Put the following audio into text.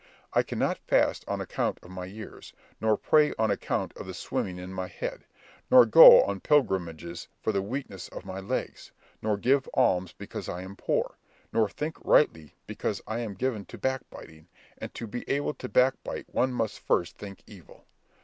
I cannot fast on account of my years, nor pray on account of the swimming in my head, nor go on pilgrimages for the weakness of my legs, nor give alms because I am poor, nor think rightly because I am given to back biting, and to be able to backbite one must first think evil.